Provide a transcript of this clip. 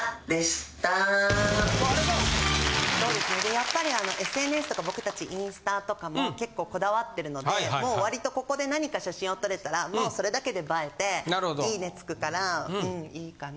やっぱりＳＮＳとか僕達インスタとかも結構こだわってるのでもう割とここで何か写真を撮れたらもうそれだけで映えて「いいね！」付くからうんいいかな。